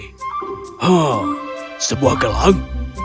hmm sebuah gelang